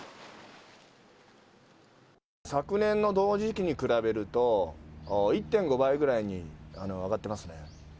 昨年の同時期に比べると、１．５倍ぐらいに上がっていますね。